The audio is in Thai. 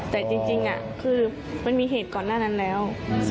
แต่จริงคือมันมีเหตุก่อนหน้านั้นแล้ว